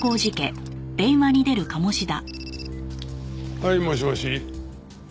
はいもしもし？